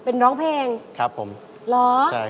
เป็นร้องเพลงร้องเพลงครับผมร้องเพลงครับผม